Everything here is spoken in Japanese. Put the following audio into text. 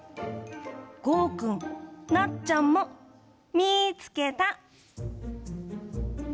ごうくん、なっちゃんもみーつけた。